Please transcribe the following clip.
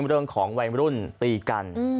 เรื่องของวัยรุ่นตีกัน